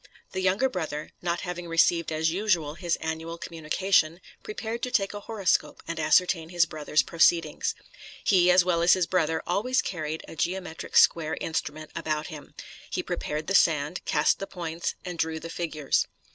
The younger brother, not having received as usual his annual communication, prepared to take a horoscope and ascertain his brother's proceedings. He, as well as his brother, always carried a geomantic square instrument about him; he prepared the sand, cast the points, and drew the figures.